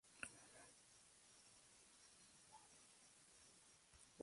Este movimiento no logró conformarse como colectividad política formal, porque no era su propósito.